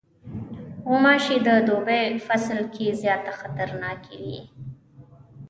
غوماشې د دوبی فصل کې زیاته خطرناکې وي.